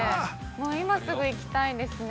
今すぐ行きたいですね。